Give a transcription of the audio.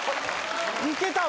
いけたわ。